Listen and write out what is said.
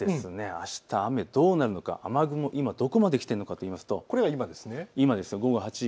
あした雨、どうなるのか雨雲、今どこまで来ているのかというとこれは今です。